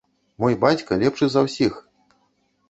Мой бацька лепшы за ўсіх!